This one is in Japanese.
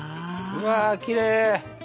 うわきれい！